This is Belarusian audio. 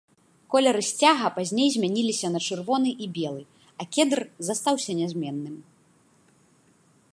Колеры сцяга пазней змяніліся на чырвоны і белы, а кедр застаўся нязменным.